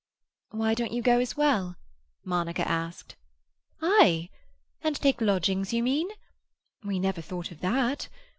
"Why don't you go as well?" Monica asked. "I? And take lodgings, you mean? We never thought of that.